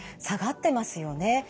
下がってますよね。